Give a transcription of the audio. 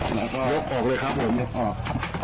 ลงออกเลยครับลงออก